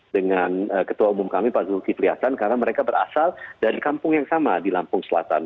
dengan ketua umum kami pak zulkifli hasan karena mereka berasal dari kampung yang sama di lampung selatan